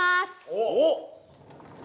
おっ！